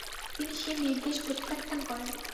তিনি সে নির্দেশ প্রত্যাখ্যান করেন।